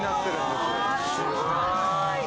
すごーい！